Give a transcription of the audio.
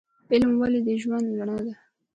علم ولې د ژوند رڼا ده؟